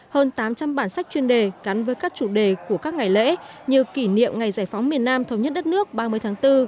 hơn tám trăm linh bản sách chuyên đề gắn với các chủ đề của các ngày lễ như kỷ niệm ngày giải phóng miền nam thống nhất đất nước ba mươi tháng bốn